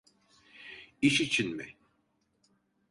İş için mi?